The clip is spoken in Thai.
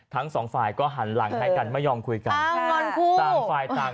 ทั้งสองปลายก็หันหลังให้กันไม่ยอมคุยกัน